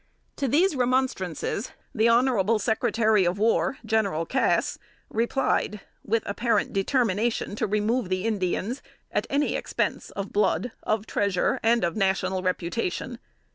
To these remonstrances, the Hon. Secretary of War, General Cass, replied, with apparent determination to remove the Indians at any expense of blood, of treasure, and of national reputation.